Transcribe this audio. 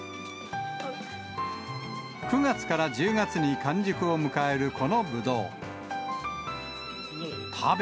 ９月から１０月に完熟を迎えるこのブドウ。